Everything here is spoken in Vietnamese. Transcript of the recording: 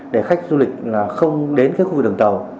để khách du lịch không đến khu vực đường tàu